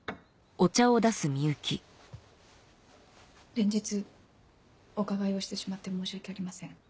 連日お伺いをしてしまって申し訳ありません。